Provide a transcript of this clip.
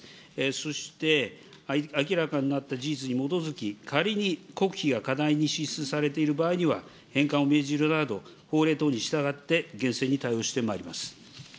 そして、明らかになった事実に基づき、仮に国費が過大に支出されている場合には、返還を命じるなど、法令等に従って厳正に対応してまいります。